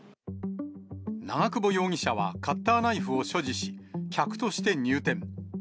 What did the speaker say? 長久保容疑者はカッターナイフを所持し、客として入店。